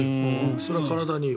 それは体にいい。